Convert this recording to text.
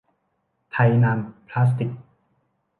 ไทยนามพลาสติกส์